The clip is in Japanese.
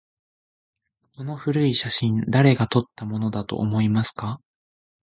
この古い写真、誰が撮ったものだと思いますか？